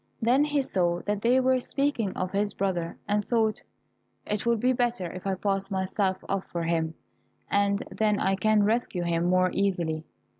Then he saw that they were speaking of his brother, and thought, "It will be better if I pass myself off for him, and then I can rescue him more easily."